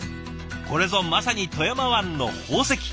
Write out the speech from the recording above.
これぞまさに富山湾の宝石。